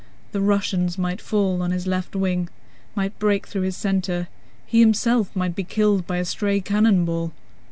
The Russians might fall on his left wing, might break through his center, he himself might be killed by a stray cannon ball.